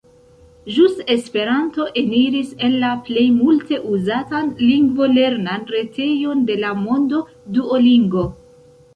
Ĵus Esperanto eniris en la plej multe uzatan lingvolernan retejon de la mondo, Duolingo.